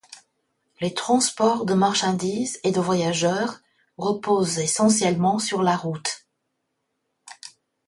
Les transports de marchandises et de voyageurs reposent essentiellement sur la route.